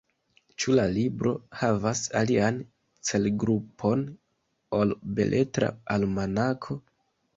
Ĉu la libro havas alian celgrupon ol Beletra Almanako?